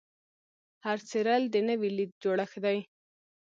هر څیرل د نوې لید جوړښت دی.